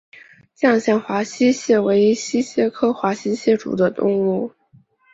绛县华溪蟹为溪蟹科华溪蟹属的动物。